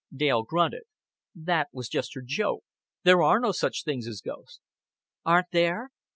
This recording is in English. Dale grunted. "That was just her joke. There are no such things as ghosts." "Aren't there?"